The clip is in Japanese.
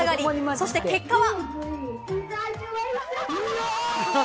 そして結果は。